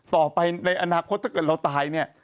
ต่อไปในอนาคตถ้าเกิดเราตายเนี่ย